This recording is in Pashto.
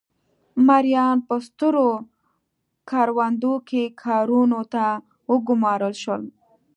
مریان په سترو کروندو کې کارونو ته وګومارل شول.